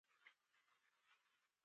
توپک وطن د وینو ډنډ ګرځولی.